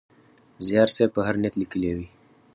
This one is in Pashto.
زیار صېب په هر نیت لیکلی وي.